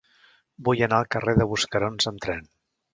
Vull anar al carrer de Buscarons amb tren.